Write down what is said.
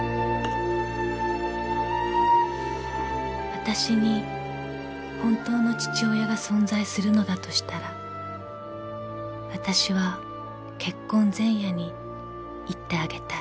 ［わたしに本当の父親が存在するのだとしたらわたしは結婚前夜に言ってあげたい］